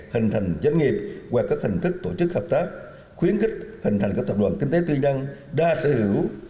hình thành doanh nghiệp qua các hình thức tổ chức hợp tác khuyến khích hình thành các tập đoàn kinh tế tư nhân đa sở hữu